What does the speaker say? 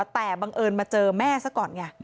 แต่บังเอิญมาเจอแม่ซะก่อนไง